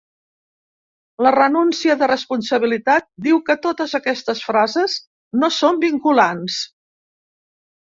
La renúncia de responsabilitat diu que totes aquestes frases no són vinculants.